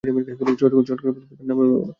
চট করে বলতে হবে, না-ভেবে বল!